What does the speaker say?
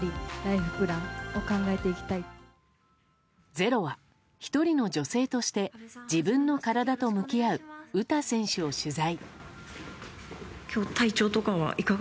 「ｚｅｒｏ」は１人の女性として自分の体と向き合う詩選手を取材。